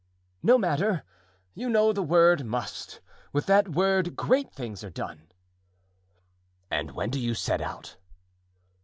"No matter; you know the word must; with that word great things are done." "And when do you set out?"